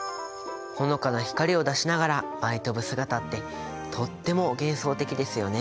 ほのかな光を出しながら舞い飛ぶ姿ってとっても幻想的ですよね。